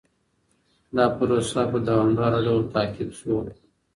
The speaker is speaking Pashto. دا پروسه په دوامداره ډول تعقيب سوه.